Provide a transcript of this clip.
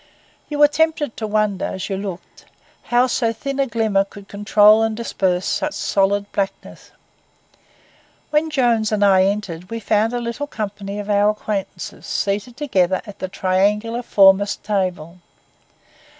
You were tempted to wonder, as you looked, how so thin a glimmer could control and disperse such solid blackness. When Jones and I entered we found a little company of our acquaintances seated together at the triangular foremost table.